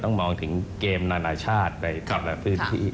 เป็นเบอร์เกมนานาชาติในทุกแผนที่